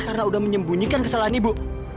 karena udah menyembunyikan kesalahan ibu